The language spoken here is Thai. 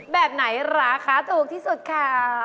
แบบไหนราคาถูกที่สุดค่ะ